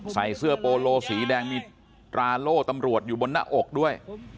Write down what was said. ใส่เสื้อโปโลสีแดงมีตราโล่ตำรวจอยู่บนหน้าอกด้วย